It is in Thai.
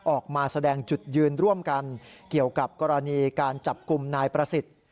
ออกมาแสดงจุดยืนร่วมกันเกี่ยวกับกรณีการจับกลุ่มนายประสิทธิ์